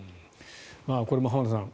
これも浜田さん